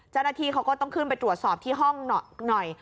เจ้าหน้าที่เขาก็ต้องขึ้นไปตรวจสอบที่ห้องหน่อย